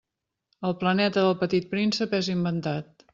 El planeta del Petit Príncep és inventat.